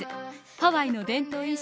ハワイの伝統衣装